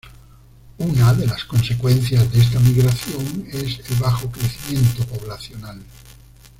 Una de las consecuencias de esta migración es el bajo crecimiento poblacional.